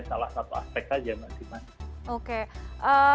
salah satu aspek saja